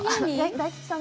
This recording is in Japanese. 大吉さん